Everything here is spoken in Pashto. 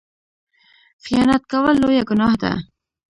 خیانت کول لویه ګناه ده